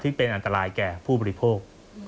ที่เป็นอันตรายแก่ผู้บริโภค